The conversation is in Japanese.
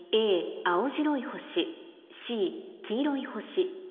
「青白い星」Ｃ「黄色い星」